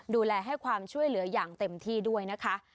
ดูแลให้ความช่วยเหลืออย่างเต็มที่ด้วยนะคะ